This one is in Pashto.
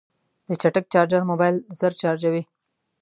د چټک چارجر موبایل ژر چارجوي.